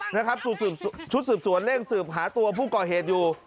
นะครับชุดสืบสวนเร่งสืบหาตัวผู้ก่อเหตุอยู่